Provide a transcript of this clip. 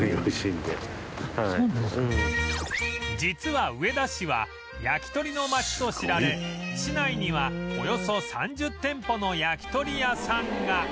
実は上田市は焼き鳥の街と知られ市内にはおよそ３０店舗の焼き鳥屋さんが